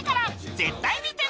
絶対見てね！